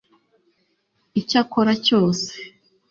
icyo akora cyose